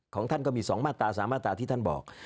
ของท่านก็มีสองมาตราสามมาตราที่ท่านบอก